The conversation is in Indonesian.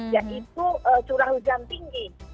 yaitu curah hujan tinggi